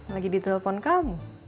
lagi ditelepon kamu